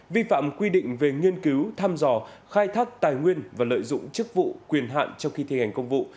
vi phạm quy định về nghiên cứu thăm dò khai thác tài nguyên và lợi dụng chức vụ quyền hạn trong khi thi hành công vụ